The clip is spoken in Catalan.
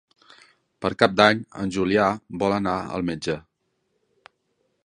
Per Cap d'Any en Julià vol anar al metge.